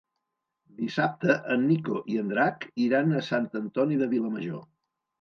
Dissabte en Nico i en Drac iran a Sant Antoni de Vilamajor.